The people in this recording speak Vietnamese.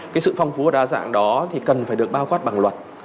cái sự phong phú và đa dạng đó thì cần phải được bao quát bằng luật